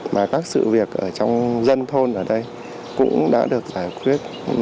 mà các sự việc ở trong dân thôn ở đây cũng đã được giải quyết